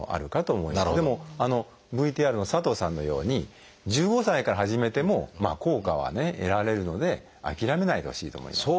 でもＶＴＲの佐藤さんのように１５歳から始めても効果は得られるので諦めないでほしいと思います。